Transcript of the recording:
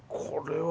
これ。